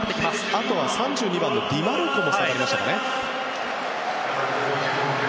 あとは３２番のディマルコも下がりましたね。